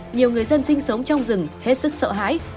nhiều người dân sinh sống trong rừng hết sức sợ hãi